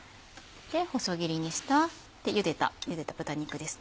細切りにしたゆでた豚肉ですね。